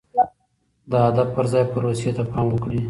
د هدف پر ځای پروسې ته پام وکړئ.